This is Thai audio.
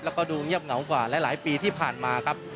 แล้วก็ดูเงียบเหงากว่าหลายปีที่ผ่านมาครับ